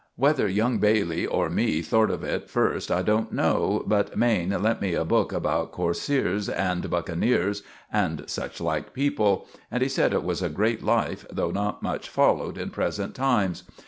Whether young Bailey or me thort of it first I don't know, but Maine lent me a book about coarseers and buckeneers and such like people, and he said it was a great life, though not much followed in present times.